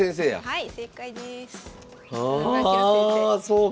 はい。